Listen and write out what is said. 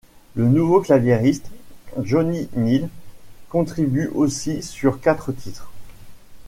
Le nouveau clavieriste, Johnny Neel contribue aussi sur quatre titres.